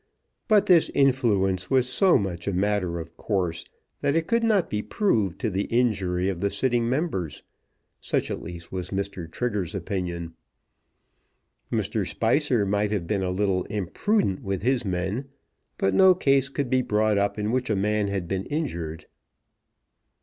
But this influence was so much a matter of course that it could not be proved to the injury of the sitting members. Such at least was Mr. Trigger's opinion. Mr. Spicer might have been a little imprudent with his men; but no case could be brought up in which a man had been injured.